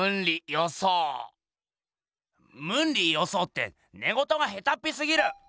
ムンリ・ヨソーってねごとがへたっぴすぎる！